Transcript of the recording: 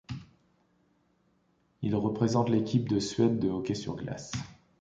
Il représente l'équipe de Suède de hockey sur glace.